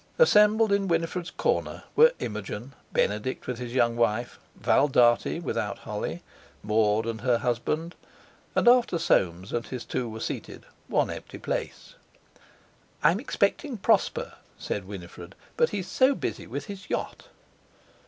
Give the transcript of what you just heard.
Assembled in Winifred's corner were Imogen, Benedict with his young wife, Val Dartie without Holly, Maud and her husband, and, after Soames and his two were seated, one empty place. "I'm expecting Prosper," said Winifred, "but he's so busy with his yacht."